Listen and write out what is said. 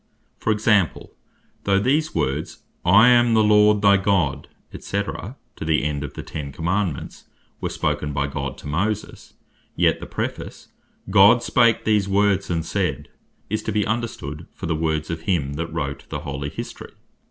For example, though these words, "I am the Lord thy God, &c." to the end of the Ten Commandements, were spoken by God to Moses; yet the Preface, "God spake these words and said," is to be understood for the Words of him that wrote the holy History.